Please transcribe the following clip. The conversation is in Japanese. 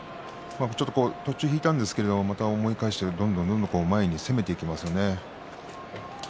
途中、引いたんですけど思い返してどんどん前に攻めていきますよね。